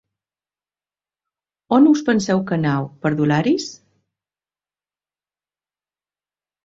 On us penseu que aneu, perdularis?